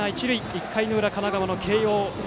１回裏、神奈川の慶応。